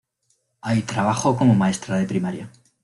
Ahí trabajó como maestra de primaria.